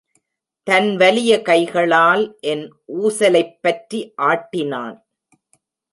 தன் வலிய கைகளால் என் ஊசலைப்பற்றி ஆட்டினான்.